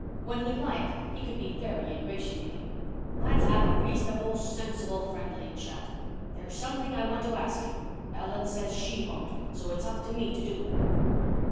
When he liked he could be very ingratiating. "Let's have a reasonable, sensible, friendly chat. There's something I want to ask you. Ellen says she won't, so it's up to me to do it."